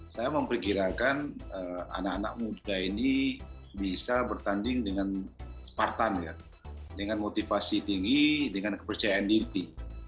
saya memperkirakan anak anak muda ini bisa bertanding dengan spartan ya dengan motivasi tinggi dengan kepercayaan diri